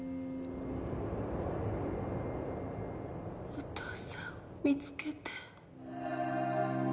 お父さんを見つけて。